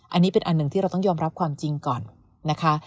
อันนี้เป็นอันหนึ่งที่เราต้องยอมรับความจริงก่อนนะคะ